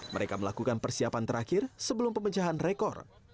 mereka melakukan persiapan terakhir sebelum pemecahan rekor